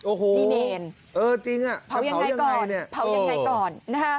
โอ้โหเออจริงอะเผายังไงก่อน